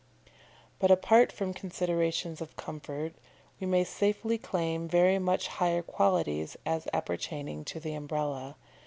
But, apart from considerations of comfort, we may safely claim very much higher qualities as appertaining to the Umbrella.